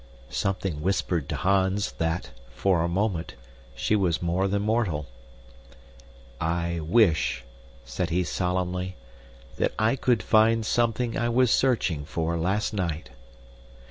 Something whispered to Hans that, for a moment, she was more than mortal. "I wish," said he solemnly, "that I could find something I was searching for last night!"